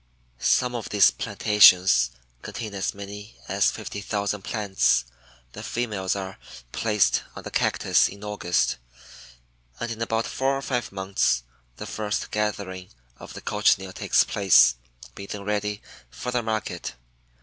Some of these plantations contain as many as 50,000 plants. The females are placed on the Cactus in August and in about four or five months the first gathering of the Cochineal takes place, being then ready for the market.